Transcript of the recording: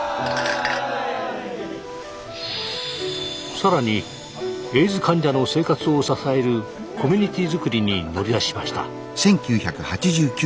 さらにエイズ患者の生活を支えるコミュニティーづくりに乗り出しました。